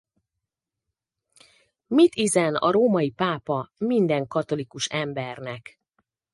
Mit izen a római pápa minden katholikus embernek?